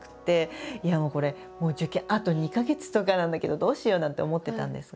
もうこれ受験あと２か月とかなんだけどどうしようなんて思ってたんですが。